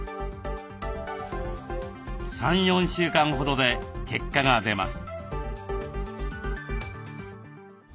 ３４週間ほどで結果が出ます。